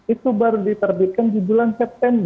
itu baru diterbitkan di bulan september